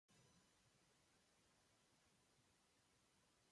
Raine served as the honorary librarian of York Minster.